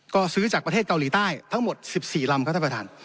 ก็ซื้อจากประเทศเกาหลีใต้ทั้งหมด๑๔ลำครับท่านประธาน